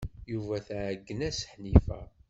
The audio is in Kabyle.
Yuba tɛeggen-as Ḥnifa.